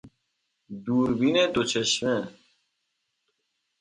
دوربین دوچشمه